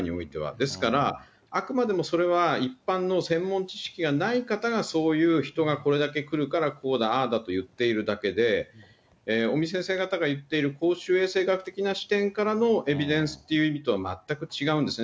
ですから、あくまでもそれは、一般の専門知識がない方がそういう人がこれだけ来るから、こうだああだと言ってるだけで、尾身先生方が言っている公衆衛生学的な視点からのエビデンスという意味とは全く違うんですね。